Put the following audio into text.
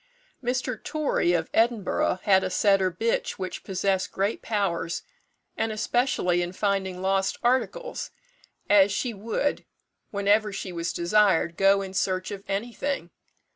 Mr. Torry, of Edinburgh, had a setter bitch which possessed great powers, and especially in finding lost articles, as she would, whenever she was desired, go in search of anything.